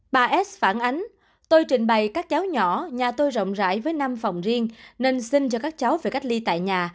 bà s phản ánh tôi trình bày các cháu nhỏ nhà tôi rộng rãi với năm phòng riêng nên xin cho các cháu về cách ly tại nhà